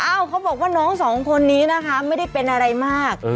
เขาบอกว่าน้องสองคนนี้นะคะไม่ได้เป็นอะไรมาก